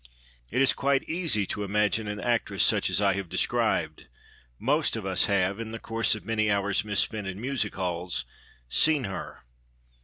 It is quite easy to imagine an actress such as I have described: most of us have, in the course of many hours misspent in music halls, seen her.